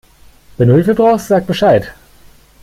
Wenn du Hilfe brauchst, sag Bescheid.